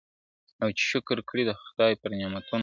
او چي شکر کړي د خدای پر نعمتونو `